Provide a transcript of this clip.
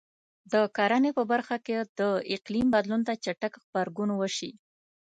د کرنې په برخه کې د اقلیم بدلون ته چټک غبرګون وشي.